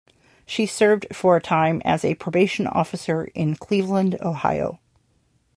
She served for a time as a probation officer in Cleveland, Ohio.